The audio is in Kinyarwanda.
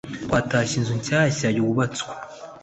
Twatashye inzu nshyashya yubatswe